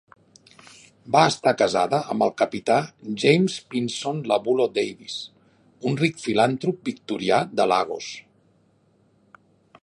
Va estar casada amb el capità James Pinson Labulo Davies, un ric filantrop victorià de Lagos.